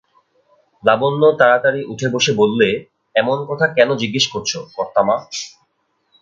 লাবণ্য তাড়াতাড়ি উঠে বসে বললে, এমন কথা কেন জিজ্ঞাসা করছ কর্তা-মা।